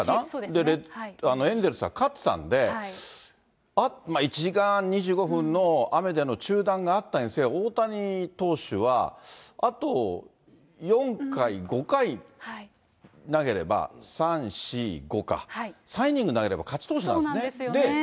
で、エンゼルスが勝ってたんで、１時間２５分の雨での中断があったにせよ、大谷投手はあと４回、５回投げれば、３、４、５か、３イニング投げれば勝ち投手なんですよね。